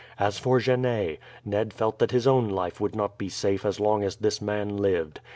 As for Genet, Ned felt that his own life would not be safe as long as this man lived.